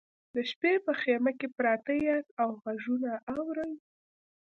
د شپې په خیمه کې پراته یاست او غږونه اورئ